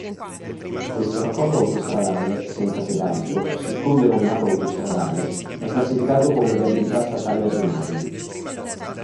Questo raccordo autostradale, senza pedaggio, seppur denominato autostradale, è classificato come viabilità statale ordinaria.